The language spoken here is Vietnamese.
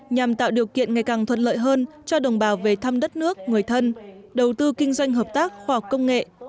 nhằm tạo điều kiện ngày càng thuận lợi hơn cho đồng bào về thăm đất nước người thân đầu tư kinh doanh hợp tác khoa học công nghệ